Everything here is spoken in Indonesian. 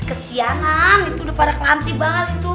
kesianan itu udah pada kelantik banget itu